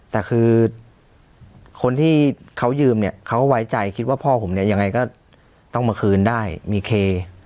แต่คือคนที่เขายืมเนี่ยเขาไว้ใจคิดว่าพ่อผมเนี่ยยังไงก็ต้องมาคืนได้มีเค